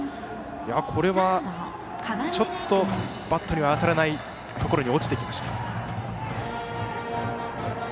これはちょっとバットには当たらないところに落ちてきました。